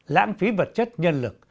lãng phí vật chất nhân lực